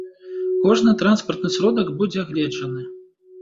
Кожны транспартны сродак будзе агледжаны.